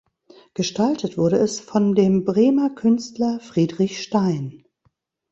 Gestaltet wurde es von dem Bremer Künstler Friedrich Stein.